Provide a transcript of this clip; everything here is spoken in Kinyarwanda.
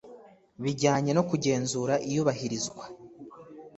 bijyanye no kugenzura iyubahirizwa